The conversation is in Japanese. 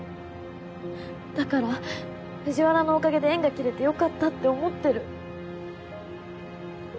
だから藤原のおかげで縁が切れてよかったって思ってる。